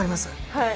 はい。